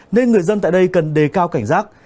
nên người dân tại đây cần đề cao cảnh giác